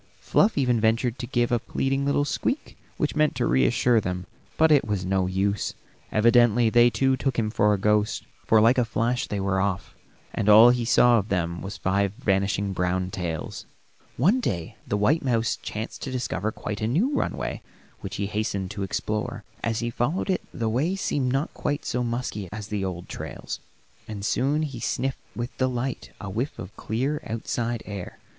Fluff even ventured to give a pleading little squeak which meant to reassure them, but it was no use; evidently they too took him for a ghost, for like a flash they were off, and all he saw of them was five vanishing brown tails. One day the white mouse chanced to discover quite a new runway which he hastened to explore. As he followed it the way seemed not quite so musky as the old trails, and soon he sniffed with delight a whiff of clear, outside air.